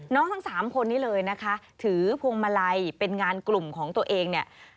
น้องทั้ง๓คนนี้เลยนะคะถือพวงมาลัยเป็นงานกลุ่มของตัวเอง